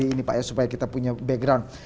ini pak ya supaya kita punya background